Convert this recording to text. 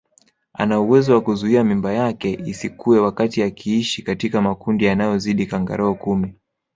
Ana uwezo wa kuzuia mimba yake isikue wakati akiishi katika makundi yanayozidi kangaroo kumi